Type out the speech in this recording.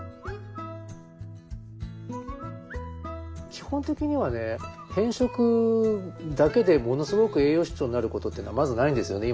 基本的にはね偏食だけでものすごく栄養失調になることっていうのはまずないんですよね